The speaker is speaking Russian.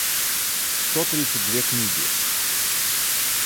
сто тридцать две книги